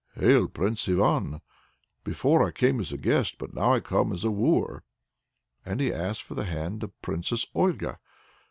"Hail, Prince Ivan! Before I came as a guest, but now I have come as a wooer!" And he asked for the hand of the Princess Olga.